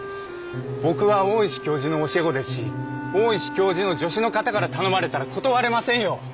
僕は大石教授の教え子ですし大石教授の助手の方から頼まれたら断れませんよ。